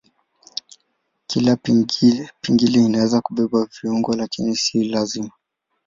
Kila pingili inaweza kubeba viungo lakini si lazima.